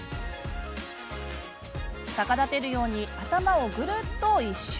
逆立てるように頭をぐるっと１周。